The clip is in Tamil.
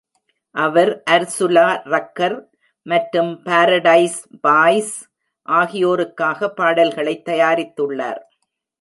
அவர் அர்சுலா ரக்கர் மற்றும் பாரடைஸ் பாய்ஸ் ஆகியோருக்காக பாடல்களைத் தயாரித்துள்ளார்.